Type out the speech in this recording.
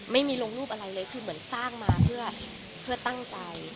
ไม่มีลงรูปอะไรเลยคือเหมือนสร้างมาเพื่อตั้งใจ